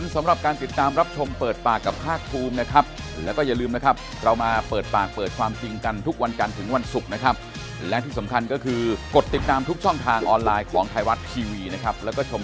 สามถูกต้องครับ